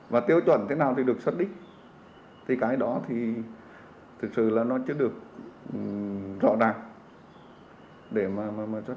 và tiêu chuẩn thế nào thì được xác định thì cái đó thì thực sự là nó chưa được rõ ràng để mà xuất